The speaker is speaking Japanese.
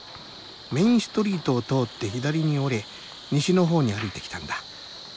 メインストリートを通って左に折れ西の方に歩いてきたんだ。